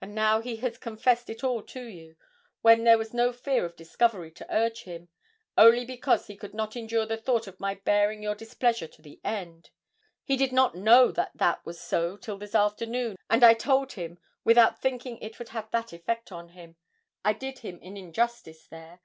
And now he has confessed it all to you, when there was no fear of discovery to urge him, only because he could not endure the thought of my bearing your displeasure to the end. He did not know that that was so till this afternoon, and I told him without thinking it would have that effect on him I did him an injustice there.